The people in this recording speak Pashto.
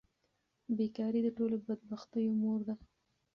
بیکاري د ټولو بدبختیو مور ده.